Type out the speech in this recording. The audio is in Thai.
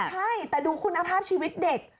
ใช่แต่ดูคุณภาพชีวิตเด็ก